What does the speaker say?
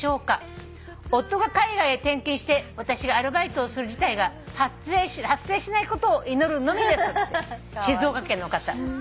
「夫が海外へ転勤して私がアルバイトをする事態が発生しないことを祈るのみです」って静岡県の方。